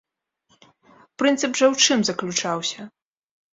Прынцып жа ў чым заключаўся?